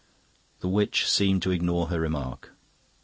The witch seemed to ignore her remark.